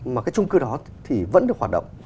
mà cái trung cư đó thì vẫn được hoạt động